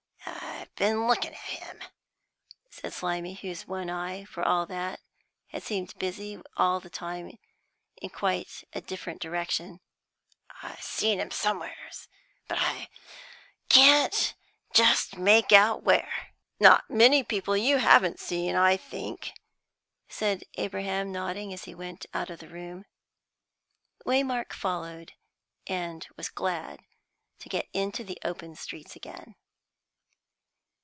"I've been a looking at him," said Slimy, whose one eye, for all that, had seemed busy all the time in quite a different direction. "I seen him somewheres, but I can't just make out where." "Not many people you haven't seen, I think," said Abraham, nodding, as he went out of the room. Waymark followed, and was glad to get into the open streets again.